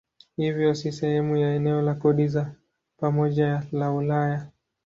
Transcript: Hivyo si sehemu ya eneo la kodi za pamoja la Ulaya.